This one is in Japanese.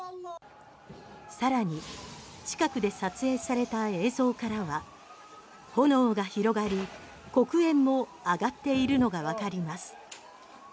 さらに近くで撮影された映像からは炎が広がり、黒煙も上がっているのがわかります。